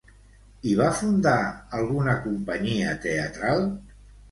I va fundar alguna companyia teatral?